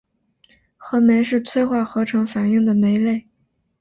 合酶是催化合成反应的酶类。